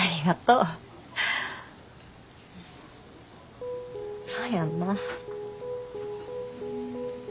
うんそうやんな。